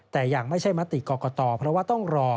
แต่ยังไม่ใช่มติกรกตเพราะว่าต้องรอ